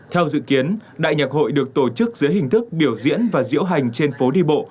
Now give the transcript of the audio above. theo dự kiến đại nhạc hội được tổ chức dưới hình thức biểu diễn và diễu hành trên phố đi bộ